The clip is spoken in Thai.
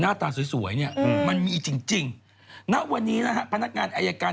หน้าตาสวยเนี่ยมันมีจริงณวันนี้นะฮะพนักงานอายการ